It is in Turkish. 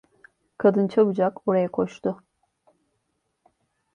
Kadın çabucak oraya koştu.